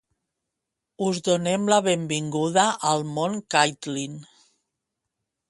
Us donem la benvinguda al món Caitlyn.